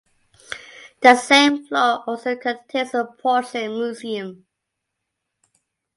The same floor also contains the porcelain museum.